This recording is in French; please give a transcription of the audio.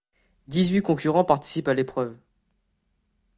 Dix-huit concurrents participent à l'épreuve.